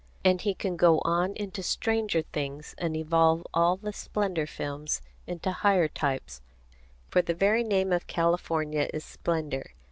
And he can go on into stranger things and evolve all the Splendor Films into higher types, for the very name of California is splendor.